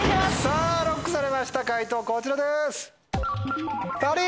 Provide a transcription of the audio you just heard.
ＬＯＣＫされました解答こちらです！